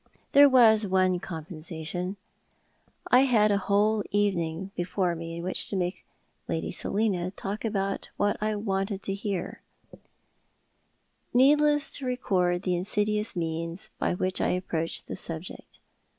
There was one compensation. I had a whole evening before me in which to make Lady Selina talk about what I wanted to hear. Cor alios Private Diary continued, 255 Needless to record the insidious means by which I approached the subject.